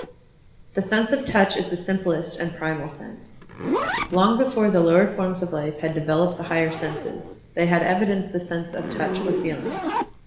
The sense of Touch is the simplest and primal sense. Long before the lower forms of life had developed the higher senses, they had evidenced the sense of Touch or Feeling.